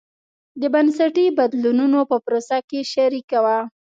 د بنسټي بدلونونو په پروسه کې شریکه وه.